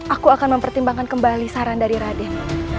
aku akan mempertimbangkan kembali saran dari raden